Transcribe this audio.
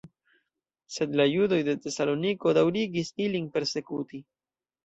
Sed la judoj de Tesaloniko daŭrigis ilin persekuti.